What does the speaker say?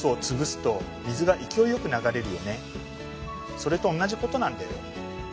それとおんなじことなんだよ。